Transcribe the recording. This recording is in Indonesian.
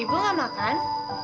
ibu gak makan